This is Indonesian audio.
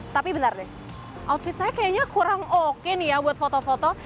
tapi benar deh outfit saya kayaknya kurang oke nih ya buat foto foto